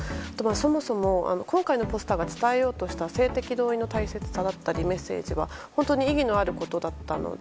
そもそも、今回のポスターが伝えようとした性的同意の大切さだったりメッセージは本当に意義のあることだったので